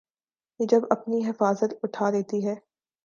یہ جب اپنی حفاظت اٹھا لیتی ہے۔